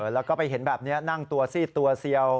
แล้วก็ไปเห็นแบบนี้นั่งตัวซีดตัวเซียว